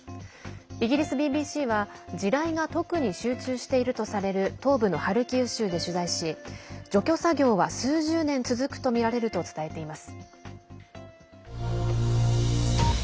イギリスＢＢＣは地雷が特に集中しているとされる東部のハルキウ州で取材し除去作業は数十年続くとみられると伝えています。